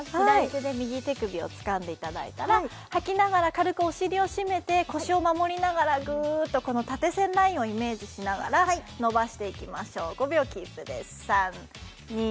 左手で右手首をつかんでいただいたら吐きながら軽くお尻を締めて腰を守りながらグッとこの縦線ラインをイメージしながらのばしていきましょう５秒キープです